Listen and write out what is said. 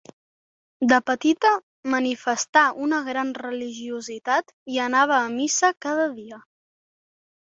De petita manifestà una gran religiositat i anava a missa cada dia.